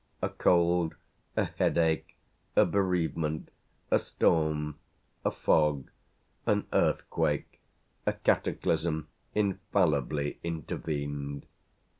A cold, a headache, a bereavement, a storm, a fog, an earthquake, a cataclysm infallibly intervened.